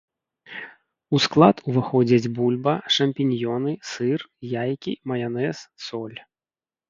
У склад уваходзяць бульба, шампіньёны, сыр, яйкі, маянэз, соль.